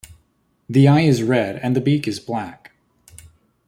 The eye is red and the beak is black.